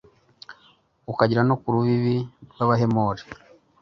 ukagera no ku rubibi rw'abahemori